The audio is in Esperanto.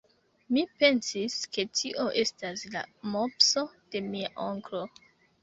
Mi pensis, ke tio estas la mopso de mia onklo.